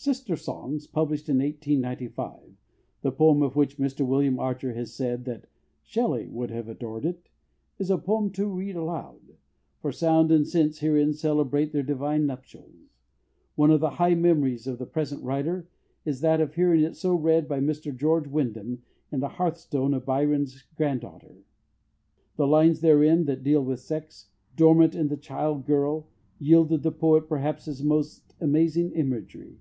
Sister Songs, published in 1895 the poem of which Mr William Archer has said that "Shelley would have adored it" is a poem to read aloud; for sound and sense herein celebrate their divine nuptials. One of the high memories of the present writer is that of hearing it so read by Mr George Wyndham at the hearthstone of Byron's granddaughter. The lines therein that deal with sex, dormant in the child girl, yielded the poet perhaps his most amazing imagery.